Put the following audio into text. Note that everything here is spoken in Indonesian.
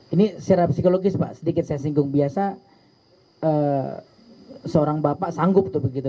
ini secara psikologis pak sedikit saya singgung biasa seorang bapak sanggup tuh begitu